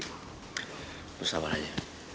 terus sabar aja